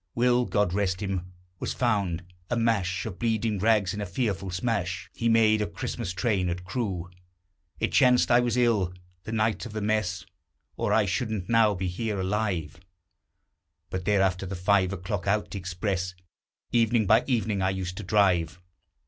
Will God rest him! was found a mash Of bleeding rags, in a fearful smash He made of Christmas train at Crewe. It chanced I was ill the night of the mess, Or I shouldn't now be here alive; But thereafter, the five o'clock out express, Evening by evening, I used to drive.